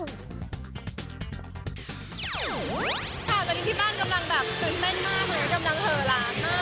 ค่ะตอนนี้ที่บ้านกำลังแบบตื่นเต้นมากเลย